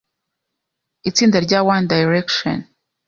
itsinda rya One Direction